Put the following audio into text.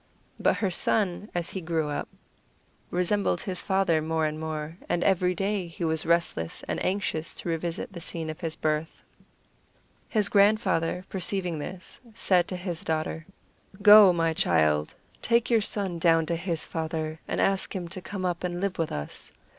But her son, as he grew up, resembled his father more and more, and every day he was restless and anxious to revisit the scene of his birth. His grandfather, perceiving this, said to his daughter: "Go, my child, take your son down to his father, and ask him to come up and live with us.